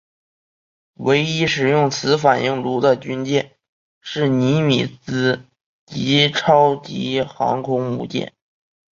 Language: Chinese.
唯一使用此反应炉的军舰是尼米兹级超级航空母舰。